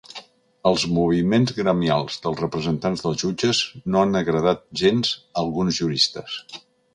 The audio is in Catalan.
Els moviments gremials dels representants dels jutges no han agradat gens a alguns juristes.